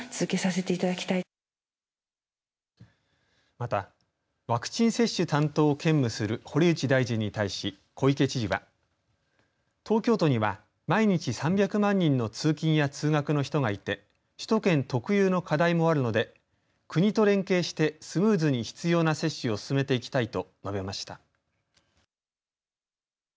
また、ワクチン接種担当を兼務する堀内大臣に対し小池知事は東京都には毎日３００万人の通勤や通学の人がいて首都圏特有の課題もあるので国と連携してスムーズに必要な接種を進めていきたいと述べました。